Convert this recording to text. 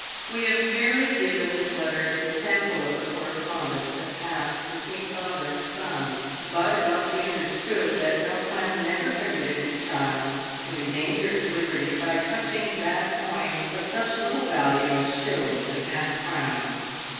We have merely given this letter as a sample of the correspondence that passed between father and son ; but it must be understood that Yautrin never permitted his child to endanger his liberty by touching bad coin of such little value as shillings and half crowns.